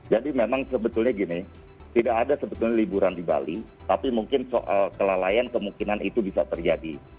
jadi memang sebetulnya gini tidak ada sebetulnya liburan di bali tapi mungkin soal kelalaian kemungkinan itu bisa terjadi